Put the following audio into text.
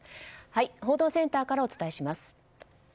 報道センターからお伝えします。